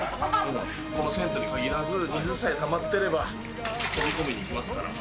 この銭湯にかぎらず、水さえたまってれば飛び込みにいきますから。